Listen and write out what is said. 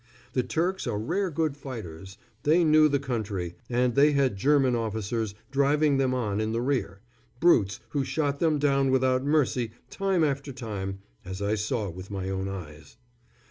The Turks are rare good fighters, they knew the country, and they had German officers driving them on in the rear, brutes who shot them down without mercy time after time, as I saw with my own eyes.